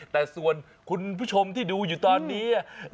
แต่ส่วนคุณผู้ชมที่ดูอยู่ตอนนี้